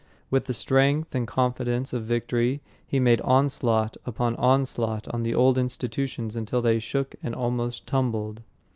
With the strength and confidence of victory he made onslaught upon onslaught on the old institutions until they shook and almost tumbled.